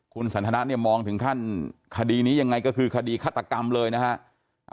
คุณสันทนาเนี่ยมองถึงขั้นคดีนี้ยังไงก็คือคดีฆาตกรรมเลยนะฮะ